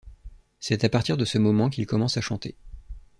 C'est à partir de ce moment qu'il commence à chanter.